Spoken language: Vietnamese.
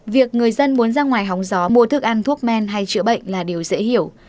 việc người dân muốn ra ngoài hóng gió mua thức ăn thuốc men hay chữa bệnh là điều dễ hiểu